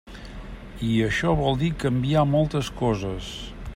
I això vol dir canviar moltes coses.